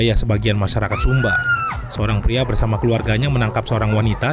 yang menangkapnya adalah seorang wanita